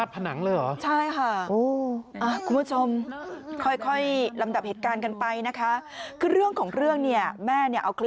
ปลาดผนังเลยเหรอ